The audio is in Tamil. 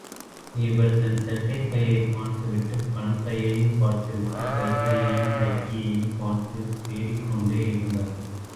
இவர் தன் சட்டைப்பையைப் பார்த்துவிட்டு பணப் பையையும் பார்த்துவிட்டு கைப்பையையும் பெட்டியையும் பார்த்துத் தேடிக் கொண்டே இருந்தார்.